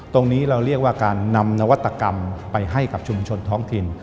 ตรงนี้เราเรียกว่าการนำนวัตกรรมไปให้กับชุมชนท้องถิ่น